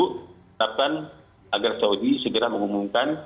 kitakan agar saudi segera mengumumkan